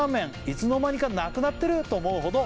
いつのまにかなくなってる』と思うほど」